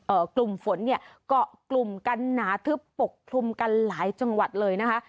กลุ่มฝนเนี่ยเกาะกลุ่มกันหนาทึบปกคลุมกันหลายจังหวัดเลยนะคะ